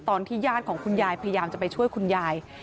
ตอนที่ญาติของคุณยายพยายามจะไปช่วยคุณยาย